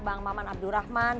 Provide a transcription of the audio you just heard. bang maman abdurrahman